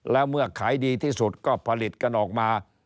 แล้วเมื่อขายดีที่สุดก็ผลิตกันออกมา